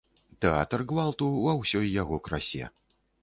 Тэатр гвалту ва ўсёй яго красе.